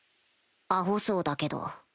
アホそうだけど